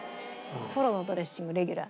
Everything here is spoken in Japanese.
フォロのドレッシングレギュラー。